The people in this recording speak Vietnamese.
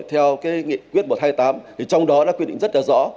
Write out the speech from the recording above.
theo cái nghị quyết một trăm hai mươi tám thì trong đó đã quyết định rất là rõ